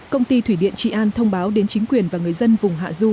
công ty thủy điện trị an thông báo đến chính quyền và người dân vùng hạ du